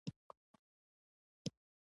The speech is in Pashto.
دا لار نږدې ده